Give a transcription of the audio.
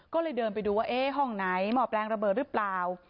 ก็เลยเดินไปดูว่าเอ๊ะห้องไหนหม้อแปลงระเบิดหรือเปล่า